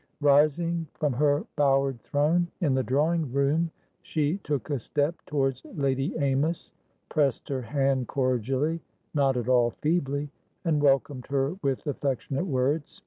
Rising from her bowered throne in the drawing room, she took a step towards Lady Amys, pressed her hand cordiallynot at all feeblyand welcomed her with affectionate words.